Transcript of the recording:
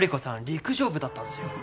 陸上部だったんすよ。